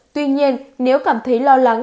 tuy nhiên nếu cảm thấy lo lắng